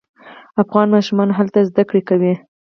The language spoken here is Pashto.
افغان ماشومان هلته زده کړې کوي.